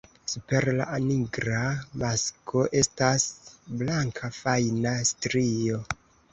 Super la nigra masko estas blanka fajna strio.